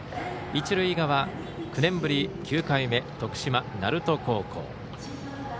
一塁側、９年ぶり、９回目徳島、鳴門高校。